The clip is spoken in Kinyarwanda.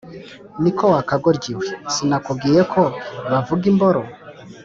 "niko wa kagoryi we sinakubwiye ko bavuga "imboro"!?